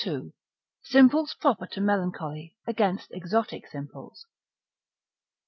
—Simples proper to Melancholy, against Exotic Simples.